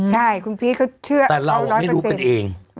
แต่เราไม่รู้เป็นเอง